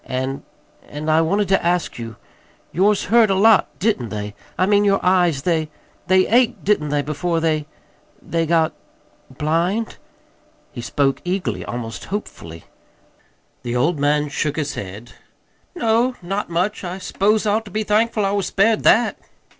"And and I wanted to ask you. Yours hurt a lot, didn't they? I mean, your eyes; they they ached, didn't they, before they they got blind?" He spoke eagerly, almost hopefully. The old man shook his head. "No, not much. I s'pose I ought to be thankful I was spared that."